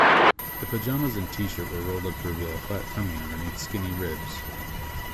The pajamas and T-shirt were rolled up to reveal a flat tummy underneath skinny ribs.